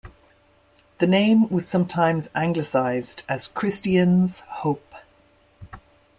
The name was sometimes anglicized as Christian's Hope.